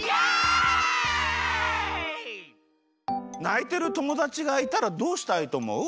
ないてるともだちがいたらどうしたいとおもう？